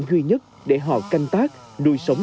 duy nhất để họ canh tác nuôi sống